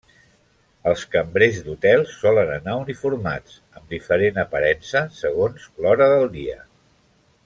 Els cambrers d'hotel solen anar uniformats amb diferent aparença segons l'hora del dia.